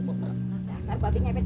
bunuh babi ngepet